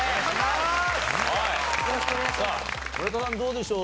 どうでしょう？